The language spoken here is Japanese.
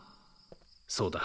そうだ！